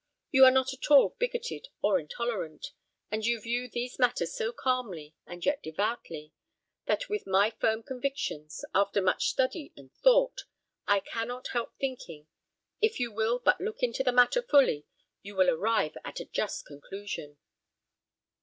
You are not at all bigoted or intolerant; and you view these matters so calmly, and yet devoutly, that with my firm convictions, after much study and thought, I cannot help thinking, if you will but look into the matter fully, you will arrive at a just conclusion."